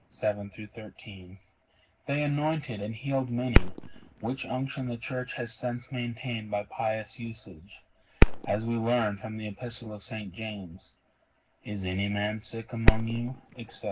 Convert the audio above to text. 7 13), they anointed and healed many, which unction the Church has since maintained by pious usage, as we learn from the Epistle of St. James: 'Is any man sick among you,'_ etc.